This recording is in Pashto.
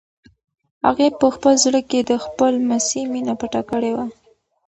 هغې په خپل زړه کې د خپل لمسي مینه پټه کړې وه.